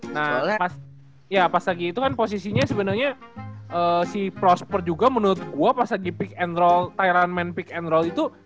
nah pas lagi itu kan posisinya sebenernya si prosper juga menurut gue pas lagi pick and roll tyrant main pick and roll itu